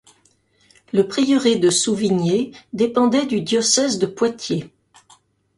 Le prieuré de Souvigné dépendait du diocèse de Poitiers.